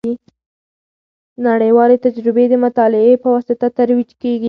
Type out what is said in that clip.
نړیوالې تجربې د مطالعې په واسطه ترویج کیږي.